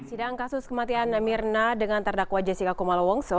sidang kasus kematian mirna dengan terdakwa jessica kumalowongso